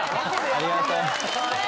ありがとう。